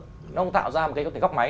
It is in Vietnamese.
nó không tạo ra một cái góc máy